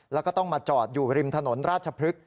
แล้วก็ต้องมาจอดอยู่ริมถนนราชพฤกษ